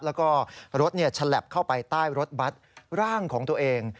แล้วก็รถฉลับเข้าไปใต้รถบัตรร่างของตัวเอง